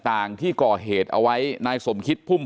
เป็นวันที่๑๕ธนวาคมแต่คุณผู้ชมค่ะกลายเป็นวันที่๑๕ธนวาคม